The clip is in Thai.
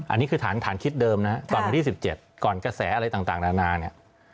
อันนี้คือฐานคิดเดิมนะตอนวันที่๑๗ก่อนกระแสอะไรต่างนานาเนี่ย